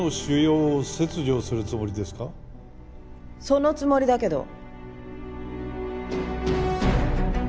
そのつもりだけど。